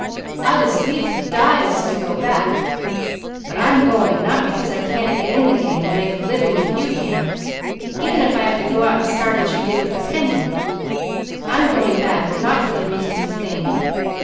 I'd as lief die as go back, but I'm going; not because I can't get in the game, and make a living if you can, even if I have to go out and start as you did, with a penny. I'm going back, but not for the reason you think.